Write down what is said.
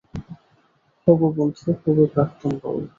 হবু বন্ধু, হবু প্রাক্তন বউ।